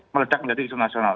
melepak menjadi isu nasional